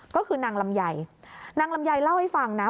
ก็คือนางลำไยนางลำไยเล่าให้ฟังนะ